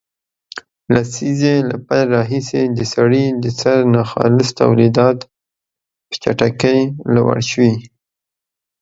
لسیزې له پیل راهیسې د سړي د سر ناخالص تولیدات په چټکۍ لوړ شوي